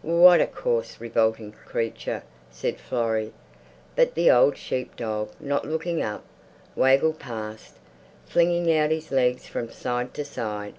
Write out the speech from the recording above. What a coarse, revolting creature!" said Florrie. But the old sheep dog, not looking up, waggled past, flinging out his legs from side to side.